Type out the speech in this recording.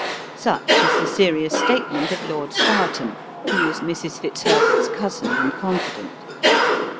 Such is the serious statement of Lord Stourton, who was Mrs. Fitzherbert's cousin and confidant.